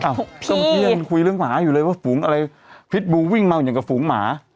ของพี่คมย่านคุยเรื่องหมาอยู่เลยว่าฝูงอะไรผิดบูวงวิ่งเมาเงียงกับฝูงหมา